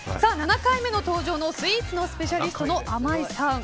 ７回目の登場のスイーツのスペシャリストのあまいさん。